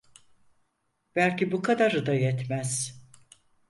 Belki bu kadarı da yetmez…